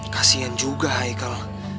kasian juga haikal